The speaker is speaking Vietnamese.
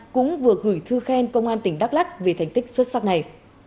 cũng vừa gửi thư khen công an tỉnh đắk lắc vì thành tích xuất sắc này